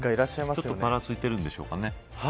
ちょっとぱらついてるんでしょうかね。